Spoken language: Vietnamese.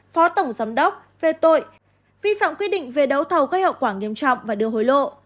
phó tổng giám đốc về tội vi phạm quy định về đấu thầu gây hậu quả nghiêm trọng và đưa hối lộ